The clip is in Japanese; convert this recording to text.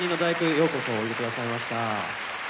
ようこそおいでくださいました。